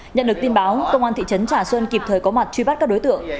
nhận được tin báo công an thị trấn trà xuân kịp thời có mặt truy bắt các đối tượng